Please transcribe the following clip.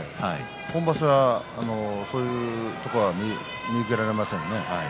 今場所はそういうことは見受けられませんね。